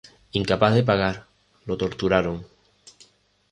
Incapaz de pagar, lo torturaron.